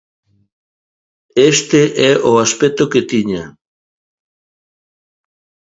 Este é o aspecto que tiña.